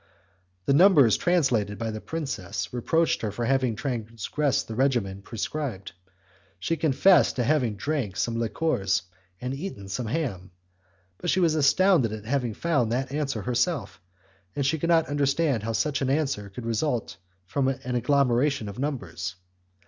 The numbers translated by the princess reproached her with having transgressed the regimen prescribed; she confessed to having drunk some liquors and eaten some ham; but she was astounded at having found that answer herself, and she could not understand how such an answer could result from an agglomeration of numbers.